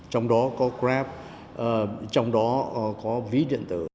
trong đó có grab trong đó có ví điện tử